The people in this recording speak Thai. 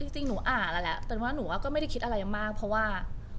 จริงหนูอ่านแล้วแหละแต่ว่าหนูว่าก็ไม่ได้คิดอะไรมากเพราะว่า